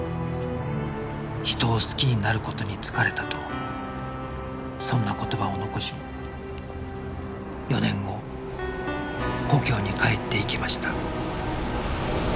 人を好きになる事に疲れたとそんな言葉を残し４年後故郷に帰っていきました